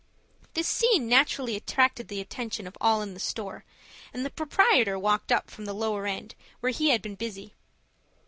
This scene naturally attracted the attention of all in the store, and the proprietor walked up from the lower end, where he had been busy.